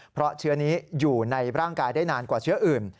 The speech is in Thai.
เพราะเชื้อนี้อยู่ในร่างกายได้นานกว่าเชื้ออื่น